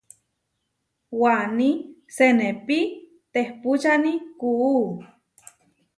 Waní senépi tehpúčani kuú.